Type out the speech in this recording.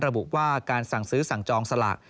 ระบุว่าการสั่งซื้อสั่งจองสลาก